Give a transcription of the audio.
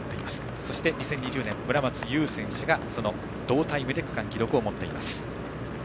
そして２０２０年村松選手が同タイムで区間記録を持っています。